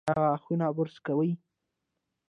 ایا غاښونه برس کوي؟